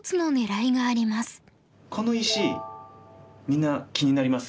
この石みんな気になりますよね？